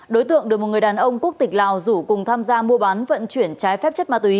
đối tượng được một người đàn ông quốc tịch lào rủ cùng tham gia mua bán vận chuyển trái phép chất ma túy